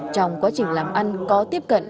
trong quá trình làm ăn có tiếp cận